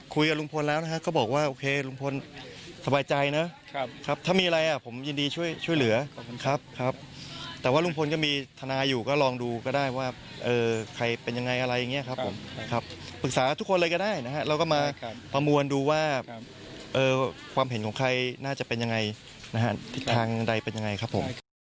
คุยกับลุงพลแล้วนะฮะก็บอกว่าโอเคลุงพลสบายใจนะครับถ้ามีอะไรอ่ะผมยินดีช่วยเหลือขอบคุณครับครับแต่ว่าลุงพลก็มีทนายอยู่ก็ลองดูก็ได้ว่าใครเป็นยังไงอะไรอย่างนี้ครับผมนะครับปรึกษาทุกคนเลยก็ได้นะฮะเราก็มาประมวลดูว่าความเห็นของใครน่าจะเป็นยังไงนะฮะทิศทางใดเป็นยังไงครับผม